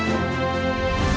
jangan lupa bapak